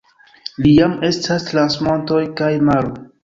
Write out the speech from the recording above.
Li jam estas trans montoj kaj maro.